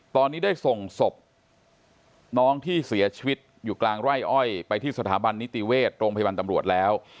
ตอนนี้ได้ส่งศพน้องที่เสียชีวิตอยู่กลางไร่อ้อยไปที่สถาบันนิติเวชโรงพยาบาลตำรวจแล้ว